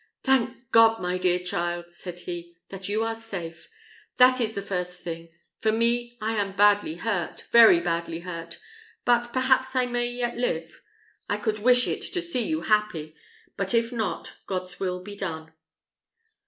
"Thank God, my dear child," said he, "that you are safe. That is the first thing: for me, I am badly hurt, very badly hurt; but perhaps I may yet live: I could wish it to see you happy; but if not, God's will be done!"